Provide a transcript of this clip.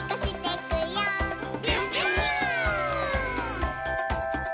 「ビュンビューン！」